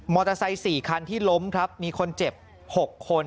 มอเตอร์ไซต์๔คันที่ล้มครับมีคนเจ็บ๖คน